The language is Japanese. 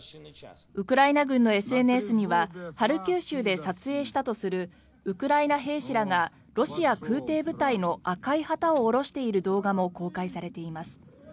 ウクライナ軍のＳＮＳにはハルキウ州で撮影したとするウクライナ兵士らがロシア空挺部隊の赤い旗を降ろしている動画も公開されています。